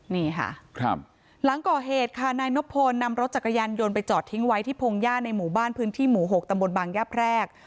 นี่ค่ะหลังก่อเหตุค่ะนายนพลนำรถจักรยานยนต์ไปจอดทิ้งไว้ที่พงหญ้าในหมู่บ้านพื้นที่หมู่๖ตำบลบางย่าแพรก